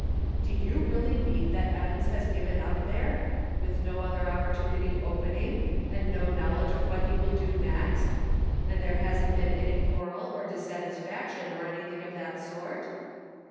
" Do you really mean that Evans has given 424 > The Pocket Measure. up there, with no other opportunity opening, and no knowledge of what he will do next ! And there hasn't been any quarrel or dissatis faction, or something of that sort?"